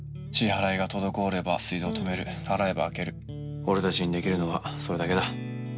支払いが滞れば水道を止める、払えば開ける俺たちにできるのはそれだけだ。